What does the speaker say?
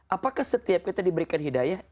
apakah setiap kita diberikan hidayah